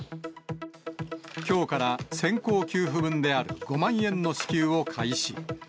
きょうから先行給付分である５万円の支給を開始。